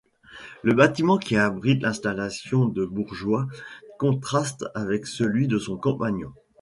Le bâtiment qui abrite l'installation de Bourgeois contraste avec celui de son compagnon.